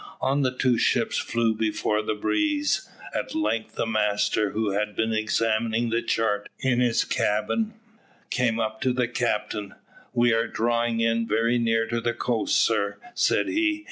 On the two ships flew before the breeze. At length the master, who had been examining the chart in his cabin, came up to the captain. "We are drawing in very near to the coast, sir," said he.